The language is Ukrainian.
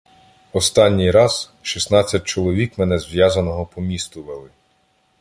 Останній раз шістнадцять чоловік мене зв'язаного по місту вели.